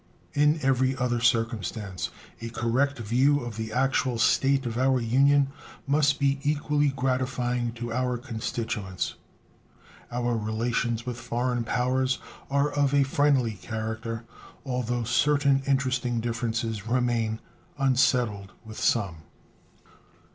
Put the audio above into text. In every other circumstance a correct view of the actual state of our Union must be equally gratifying to our constituents. Our relations with foreign powers are of a friendly character, although certain interesting differences remain unsettled with some.